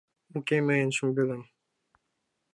Уке мыйын шӱмбелем